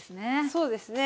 そうですね。